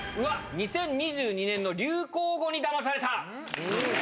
２０２２年の流行語にダマされた！